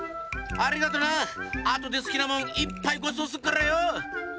あとですきなもんいっぱいごちそうすっからよ！